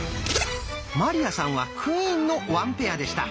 鞠杏さんはクイーンの「ワンペア」でした。